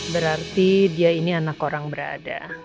berarti dia ini anak orang berada